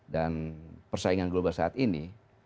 dan persaingan global saat ini